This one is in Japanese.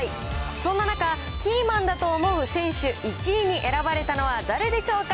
そんな中、キーマンだと思う選手１位に選ばれたのは誰でしょうか。